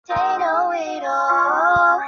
有公路通拉萨和印度。